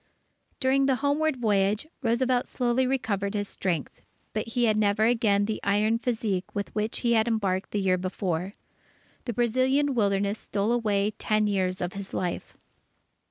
During the homeward voyage, Roosevelt slowly recovered his strength, but he had never again the iron physique with which he had embarked the year before. The Brazilian Wilderness stole away ten years of his life.